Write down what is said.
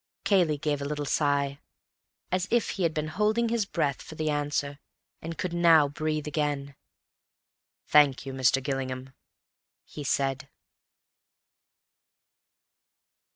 Cayley gave a little sigh, as if he had been holding his breath for the answer, and could now breathe again. "Thank you, Mr. Gillingham," he said.